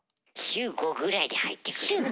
週５ぐらいで入ってくる。